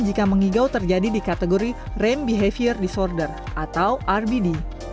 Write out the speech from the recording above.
jika mengigau terjadi di kategori rame behavior disorder atau rbd